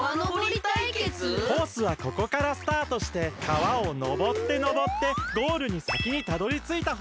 コースはここからスタートして川をのぼってのぼってゴールにさきにたどりついたほうがかちだ。